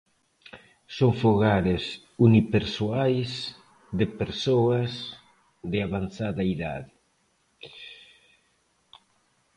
Son fogares unipersoais de persoas de avanzada idade.